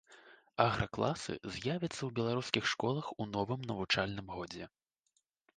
Агракласы з'явяцца ў беларускіх школах у новым навучальным годзе.